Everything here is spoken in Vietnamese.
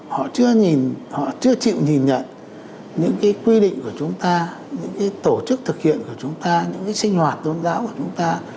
họ chưa nhìn họ chưa chịu nhìn nhận những cái quy định của chúng ta những cái tổ chức thực hiện của chúng ta những cái sinh hoạt tôn giáo của chúng ta